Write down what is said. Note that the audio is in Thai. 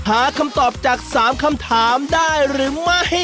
หาคำตอบจาก๓คำถามได้หรือไม่